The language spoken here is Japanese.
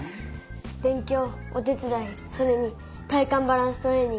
勉強お手伝いそれに体幹バランストレーニングをします！